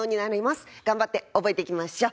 頑張って覚えていきましょう。